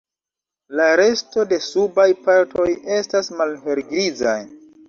La resto de subaj partoj estas malhelgrizaj.